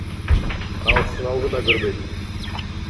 Ал сыналгы да көрбөйт.